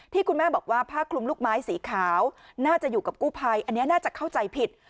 คุณแม่บอกว่าผ้าคลุมลูกไม้สีขาวน่าจะอยู่กับกู้ภัยอันนี้น่าจะเข้าใจผิด